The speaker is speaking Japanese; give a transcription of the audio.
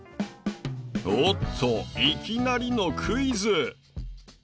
おっといきなりのクイズ。